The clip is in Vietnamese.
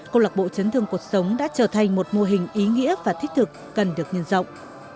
câu lạc bộ chấn thương cuộc sống đã trở thành một mô hình ý nghĩa và thích thực cần được nhân rộng